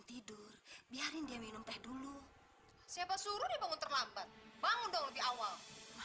duduk santai santai disini sambil minum teh